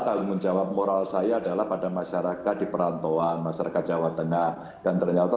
tanggung jawab moral saya adalah pada masyarakat di perantauan masyarakat jawa tengah dan ternyata